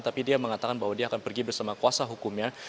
tapi dia mengatakan bahwa dia akan pergi bersama kuasa hukumnya